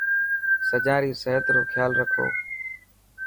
سجان ري صحت روخيال رکو.